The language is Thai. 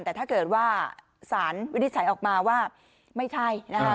แต่ถ้าเกิดว่าสารวินิจฉัยออกมาว่าไม่ใช่นะคะ